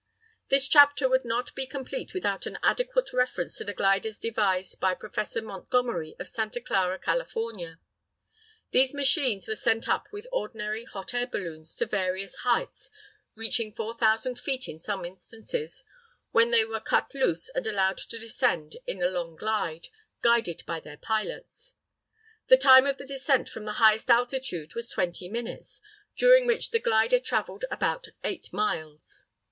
This chapter would not be complete without an adequate reference to the gliders devised by Professor Montgomery of Santa Clara, California. These machines were sent up with ordinary hot air balloons to various heights, reaching 4,000 feet in some instances, when they were cut loose and allowed to descend in a long glide, guided by their pilots. The time of the descent from the highest altitude was twenty minutes, during which the glider travelled about eight miles.